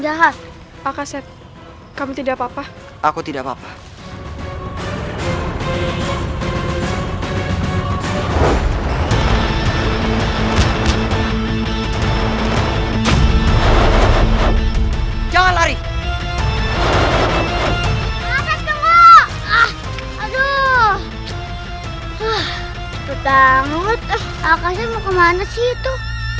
wah cepet banget akasnya mau kemana sih itu